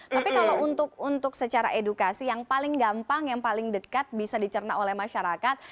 tapi kalau untuk secara edukasi yang paling gampang yang paling dekat bisa dicerna oleh masyarakat